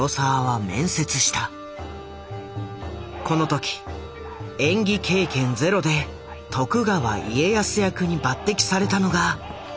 この時演技経験ゼロで徳川家康役に抜てきされたのがこの男だ。